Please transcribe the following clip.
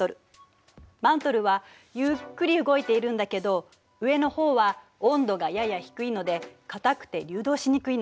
マントルはゆっくり動いているんだけど上のほうは温度がやや低いので固くて流動しにくいの。